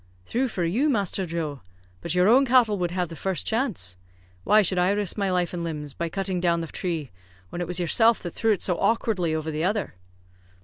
"Thrue for you, Masther Joe; but your own cattle would have the first chance. Why should I risk my life and limbs, by cutting down the tree, when it was yerself that threw it so awkwardly over the other?"